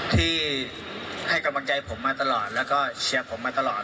ที่ให้กำลังใจผมมาตลอดแล้วก็เชียร์ผมมาตลอด